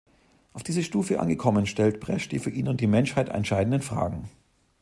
Auf dieser Stufe angekommen stellt Bresch die für Ihn und die Menschheit entscheidenden Fragen.